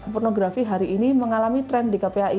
pornografi hari ini mengalami tren di kpai